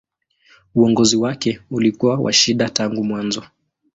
Uongozi wake ulikuwa wa shida tangu mwanzo.